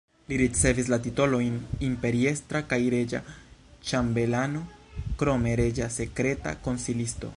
Li ricevis la titolojn imperiestra kaj reĝa ĉambelano, krome reĝa sekreta konsilisto.